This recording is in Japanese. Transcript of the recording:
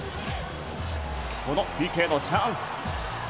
このＰＫのチャンス。